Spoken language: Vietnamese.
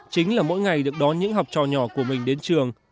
chính là mỗi ngày được đón những học trò nhỏ của mình đến trường